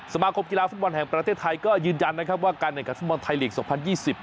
สมาคมกีฬาฟุตบอลแห่งประเทศไทยก็ยืนยันนะครับว่าการแข่งขันฟุตบอลไทยลีก๒๐๒๐